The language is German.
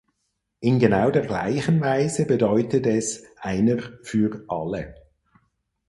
In genau der gleichen Weise bedeutet es "einer für alle".